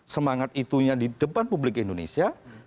semangat itunya di depan publik indonesia